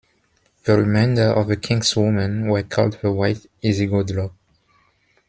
The remainder of the king's women were called the white "isigodlo".